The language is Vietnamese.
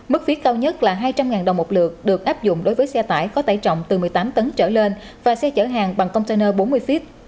mức phí cao nhất là hai trăm linh đồng một lượt được áp dụng đối với xe tải có tải trọng từ một mươi tám tấn trở lên và xe chở hàng bằng container bốn mươi feet